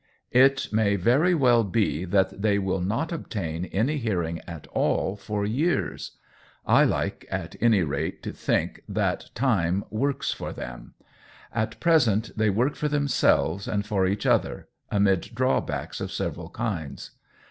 It may very well be that they will not obtain any hear ing at all for years. I like, at any rate, to 142 COLLABORATION think that time works for them. At present they work for themselves and for each other, amid drawbacks of several kinds.